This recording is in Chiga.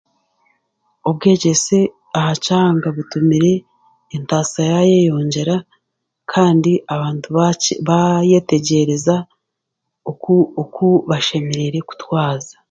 Obwegyese aha kyanga butumire entaasa yaayeyongyera, kandi abantu bakye baayetegyereza oku oku bashemereire kutwaza.